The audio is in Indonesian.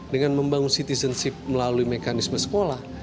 dengan membangun citizenship melalui mekanisme sekolah